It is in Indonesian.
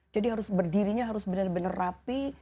jadi harus berdirinya harus benar benar rapi